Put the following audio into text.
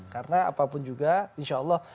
karena apapun juga